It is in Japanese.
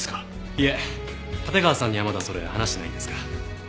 いえ館川さんにはまだそれ話してないんですが。